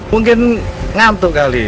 mungkin ngantuk kali